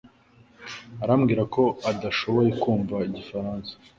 Urambwira ko udashobora kumva igifaransa